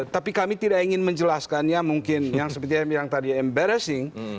tapi kami tidak ingin menjelaskannya mungkin yang seperti yang tadi embaresing